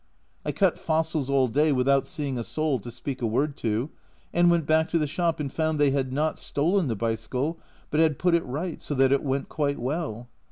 I cut fossils all day without seeing a soul to speak a word to, and went back to the shop and found they had not stolen the bicycle, but had put it right, so that it went quite well.